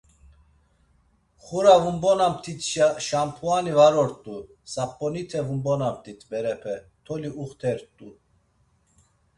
Xura vunbonamt̆itşa şanpuani var ort̆u, sap̌onite vunbonamt̆it berepe, toli uxtert̆u.